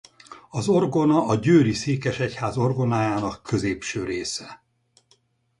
Az orgona a Győri Székesegyház orgonájának középső része.